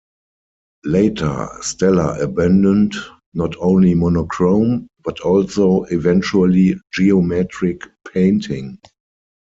Later, Stella abandoned not only monochrome, but also eventually geometric painting.